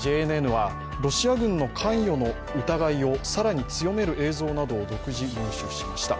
ＪＮＮは、ロシア軍の関与の疑いを強める独自入手しました。